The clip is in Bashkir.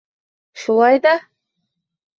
— Шулай ҙа?